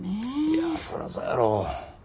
いやそらそやろ。